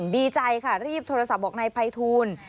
ดีใจค่ะรีบโทรศัพท์ออกในไฟธูน